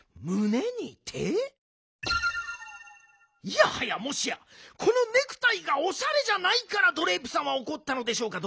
いやはやもしやこのネクタイがおしゃれじゃないからドレープさんはおこったのでしょうか？